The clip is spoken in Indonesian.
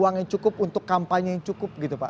uang yang cukup untuk kampanye yang cukup gitu pak